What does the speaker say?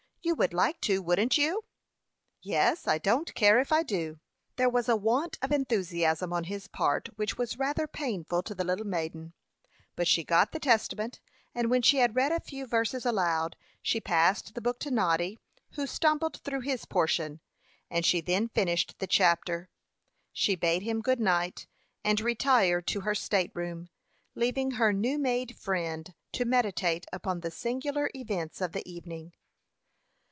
You would like to wouldn't you?" "Yes; I don't care if I do." There was a want of enthusiasm on his part which was rather painful to the little maiden; but she got the Testament, and when she had read a few verses aloud, she passed the book to Noddy, who stumbled through his portion, and she then finished the chapter. She bade him good night, and retired to her state room, leaving her new made friend to meditate upon the singular events of the evening.